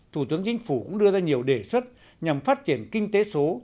thủ tướng chính phủ cũng đưa ra nhiều đề xuất nhằm phát triển kinh tế số